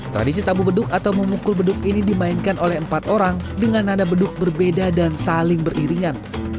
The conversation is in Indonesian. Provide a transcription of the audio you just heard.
tradisi tabu beduk atau memukul beduk ini dimainkan oleh empat orang dengan nada beduk berbeda dan saling beriringan